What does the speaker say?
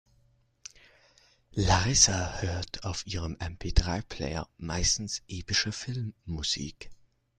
Larissa hört auf ihrem MP-drei-Player meistens epische Filmmusik.